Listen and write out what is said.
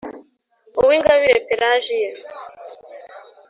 uwingabire pélagie